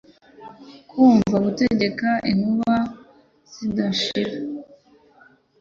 kumva gutegeka inkuba zidashira